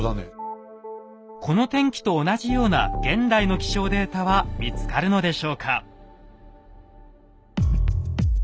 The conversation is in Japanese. この天気と同じような現代の気象データは見つかるのでしょうか？